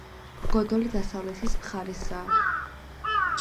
გოდოლი დასავლეთის მხარესაა.